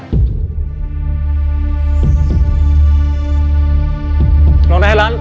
พี่ต้องรู้หรือยังว่าเพลงอะไร